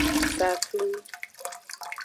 Safli.